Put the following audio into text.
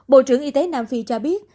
bộ trưởng y tế nam phi cho biết